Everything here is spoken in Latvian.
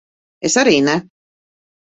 Es arī ne.